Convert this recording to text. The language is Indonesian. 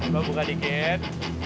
gue buka dikit